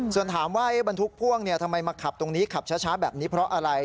ส่วนถามว่าบรรทุกพ่วงทำไมมาขับตรงนี้ขับช้าแบบนี้เพราะอะไร